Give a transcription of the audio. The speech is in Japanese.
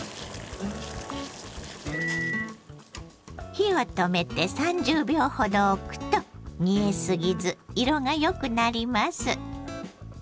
火を止めて３０秒ほどおくと煮えすぎず色がよくなります。